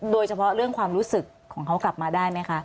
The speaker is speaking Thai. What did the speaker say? โดยเฉพาะเรื่องความรู้สึกของเขากลับมาได้ไหมคะ